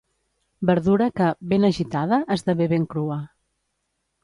Verdura que, ben agitada, esdevé ben crua.